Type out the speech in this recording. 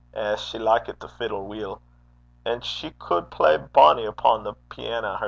Eh! she likit the fiddle weel. And she culd play bonny upo' the piana hersel'.